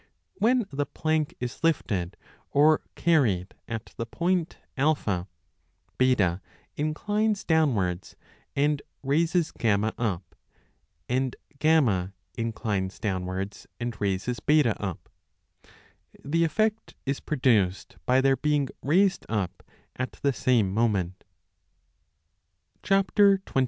When the <^ A plank is lifted or carried at the n point A, B inclines downwards and raises T up, and T inclines downwards 20 and raises B up ; the effect is produced by their being raised up at the same moment.